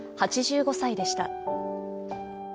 ８５歳でした。